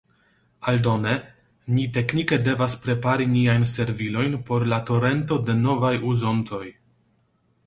Aldone, ni teknike devas prepari niajn servilojn por la torento de novaj uzontoj.